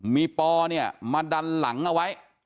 มีปอเนี่ยมาดันหลังเอาไว้